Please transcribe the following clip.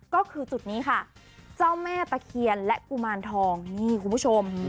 ก็คือจุดนี้ค่ะเจ้าแม่ตะเคียนและกุมารทองนี่คุณผู้ชม